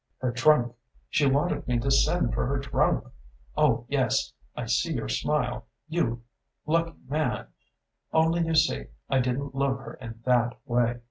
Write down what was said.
"Her trunk she wanted me to send for her trunk! Oh, yes I see your smile, your 'lucky man!' Only, you see, I didn't love her in that way.